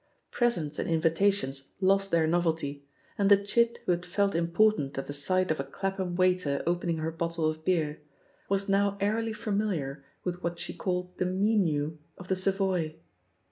Presents and invitations lost their novelty, and the chit who had felt important at the sight of a Clapham waiter opening her bottle of beer, was now airily familiar with what she called the "meenew" of the Savoy.